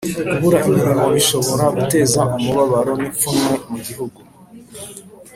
kubura imirimo bishobora guteza umubabaro n'ipfunwe mu gihugu